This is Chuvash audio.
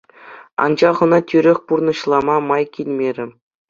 Анчах ӑна тӳрех пурнӑҫлама май килмерӗ.